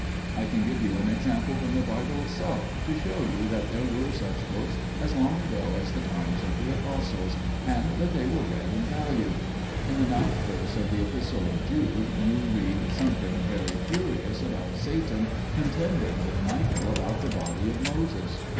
I can give you an example from the Bible itself to show that there were such books as long ago as the times of the Apostles, and that they were read and valued. In the 9th verse of the Epistle of Jude, you read something very curious about Satan contending with Michael about the body of Moses.